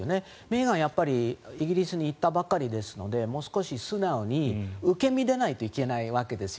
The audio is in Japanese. メーガンはやはりイギリスに行ったばかりなのでもう少し素直に受け身でないといけないわけです。